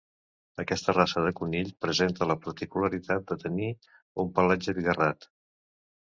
Aquesta raça de conill presenta la particularitat de tenir un pelatge bigarrat.